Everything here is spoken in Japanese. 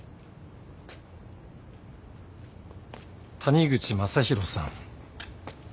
谷口正博さん。